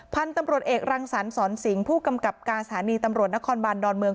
พันธุ์ตำรวจเอกรังสรรสอนสิงผู้กำกับการสถานีตำรวจนครบานดอนเมือง